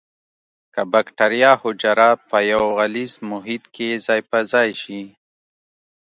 که بکټریا حجره په یو غلیظ محیط کې ځای په ځای شي.